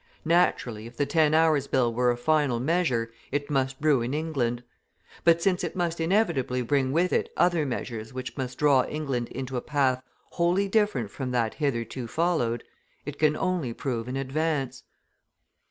Naturally, if the Ten Hours' Bill were a final measure, it must ruin England; but since it must inevitably bring with it other measures which must draw England into a path wholly different from that hitherto followed, it can only prove an advance.